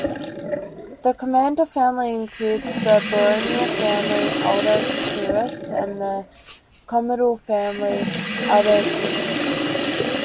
The commander family includes the baronial family Adlercreutz and the comital family Adlercreutz.